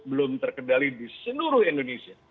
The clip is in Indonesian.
belum terkendali di seluruh indonesia